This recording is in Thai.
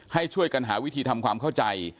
ให้ช่วยกันหาวิธีทำความเข้าใจ